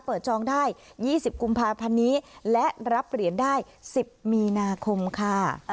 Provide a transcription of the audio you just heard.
เปิดจองได้ยี่สิบกุมภาพันนี้และรับเหรียญได้สิบมีนาคมค่ะ